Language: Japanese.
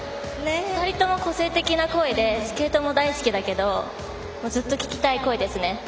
２人とも個性的な声でスケートも大好きだけどずっと聞きたい声ですね。